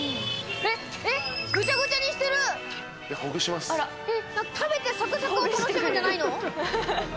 えっ食べてサクサクを楽しむんじゃないの？